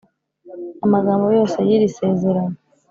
amagambo yose y iri sezerano